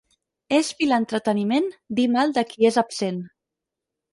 És vilà entreteniment dir mal de qui és absent.